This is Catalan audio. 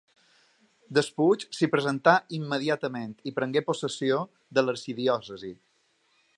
Despuig s'hi presentà immediatament i prengué possessió de l'arxidiòcesi.